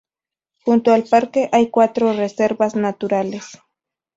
Junto al parque hay cuatro reservas naturales.